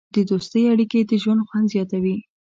د دوستۍ اړیکې د ژوند خوند زیاتوي.